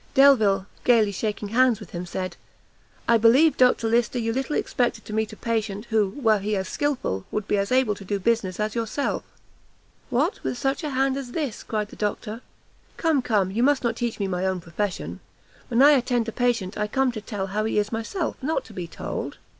Delvile, gaily, shaking hands with him, said "I believe, Dr Lyster, you little expected to meet a patient, who, were he as skilful, would be as able to do business as yourself." "What, with such a hand as this?" cried the Doctor; "come, come, you must not teach me my own profession. When I attend a patient, I come to tell how he is myself, not to be told."